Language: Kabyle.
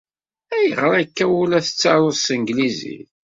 Ayɣer akka ur la ttaruɣ s tanglizit?